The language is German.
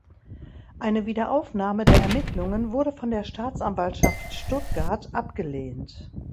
Eine Wiederaufnahme der Ermittlungen wurde von der Staatsanwaltschaft Stuttgart abgelehnt.